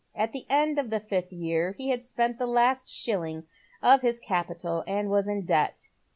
At the end of the fifth year he had spent the last shilling of his capital, and was in debt.